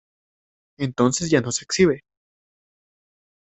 Entonces ya no se exhibe.